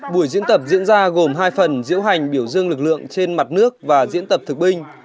buổi diễn tập diễn ra gồm hai phần diễu hành biểu dương lực lượng trên mặt nước và diễn tập thực binh